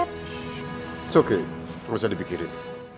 it's okay gak usah dipikirin